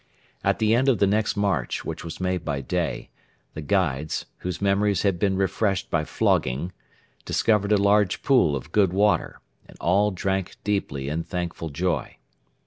At the end of the next march, which was made by day, the guides, whose memories had been refreshed by flogging, discovered a large pool of good water, and all drank deeply in thankful joy.